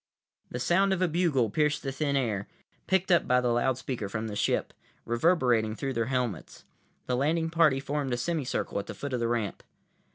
The sound of a bugle pierced the thin air, picked up by the loudspeaker from the ship, reverberating through their helmets. The landing party formed a semi circle at the foot of the ramp.